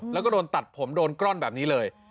แล้วก็โดนตัดผมโดนก้อนแบบนี้เลย